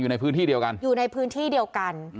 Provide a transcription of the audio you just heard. ในพื้นที่เดียวกันอยู่ในพื้นที่เดียวกัน